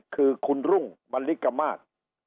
คือคุณรุ่งมลิกมาศ